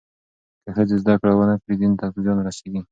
که ښځې زدهکړه ونه کړي، دین ته زیان رسېږي.